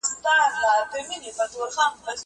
زه به سبا کتابونه لوستل کوم؟!